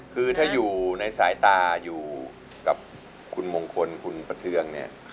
คือถ้าอยู่ในสายตาอยู่กับคุณมงคลคุณประเทืองเนี่ย